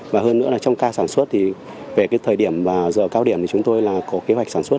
và hơn nữa là trong ca sản xuất thì về cái thời điểm và giờ cao điểm thì chúng tôi là có kế hoạch sản xuất